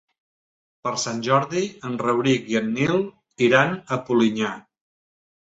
Per Sant Jordi en Rauric i en Nil iran a Polinyà.